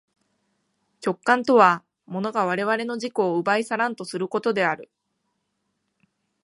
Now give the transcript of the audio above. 直観とは物が我々の自己を奪い去らんとすることである。